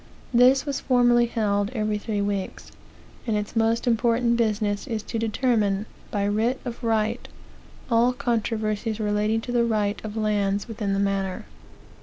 This was formerly held every three weeks; and its most important business is to determine, by writ of right, all controversies relating to the right of lands within the manor.